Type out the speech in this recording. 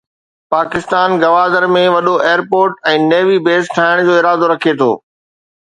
پاڪستان گوادر ۾ وڏو airport ۽ navy base ٺاهڻ جو ارادو رکي ٿو.